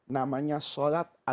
namanya sholat duhan